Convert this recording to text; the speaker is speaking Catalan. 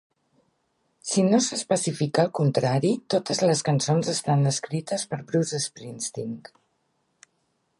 Si no s'especifica el contrari, totes les cançons estan escrites per Bruce Springsteen.